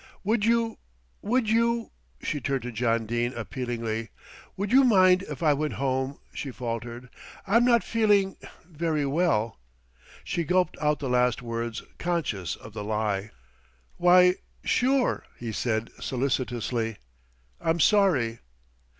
"Would you would you?" she turned to John Dene appealingly, "would you mind if I went home," she faltered. "I'm not feeling very well." She gulped out the last words conscious of the lie. "Why sure," he said solicitously. "I'm sorry."